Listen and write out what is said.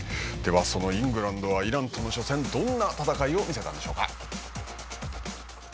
イングランドはイランとの初戦どんな戦いを見せたんでしょうか。